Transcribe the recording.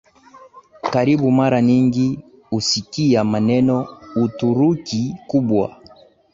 karibu Mara nyingi husikia maneno Uturuki Kubwa